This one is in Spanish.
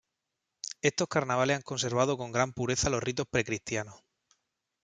Estos carnavales han conservado con gran pureza los ritos precristianos.